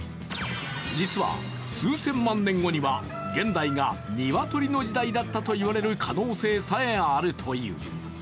実は、数千年後には現代が鶏の時代だったと言われる可能性さえある。